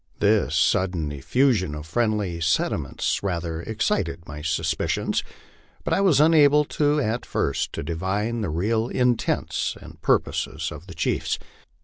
This sudden effusion of friendly sentiments rather excited my suspicions, but I was unable at first to divine the real intents and purposes of the chiefs.